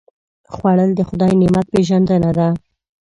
خوړل د خدای نعمت پېژندنه ده